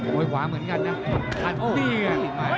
โห้ขวาเหมือนกันนะอันนี้กัน